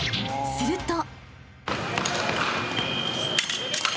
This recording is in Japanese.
［すると］